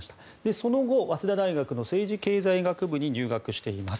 その後、早稲田大学の政治経済学部に入学しています。